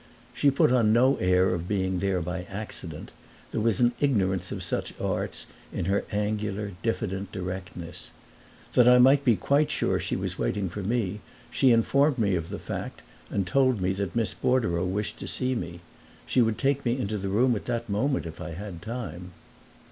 She put on no air of being there by accident; there was an ignorance of such arts in her angular, diffident directness. That I might be quite sure she was waiting for me she informed me of the fact and told me that Miss Bordereau wished to see me: she would take me into the room at that moment if I had time.